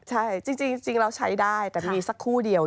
ใช่จริงแล้วใช้ได้แต่มีสักคู่เดียว